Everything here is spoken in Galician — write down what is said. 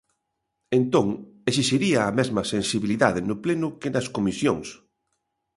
Entón, exixiría a mesma sensibilidade no Pleno que nas comisións.